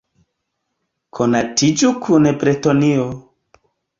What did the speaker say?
Konatiĝu kun Bretonio!